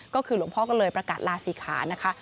ก็คือหลวงพ่อก็เลยประกาศลาศีขานะคะ